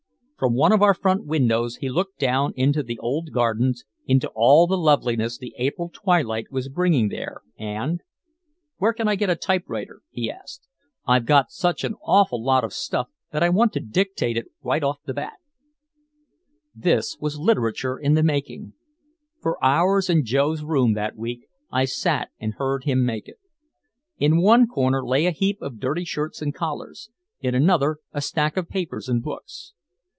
From one of our front windows he looked down into the old Gardens, into all the loveliness the April twilight was bringing there, and, "Where can I get a typewriter?" he asked. "I've got such an awful lot of stuff that I want to dictate it right off the bat." This was literature in the making. For hours in Joe's room that week I sat and heard him make it. In one corner lay a heap of dirty shirts and collars, in another a stack of papers and books.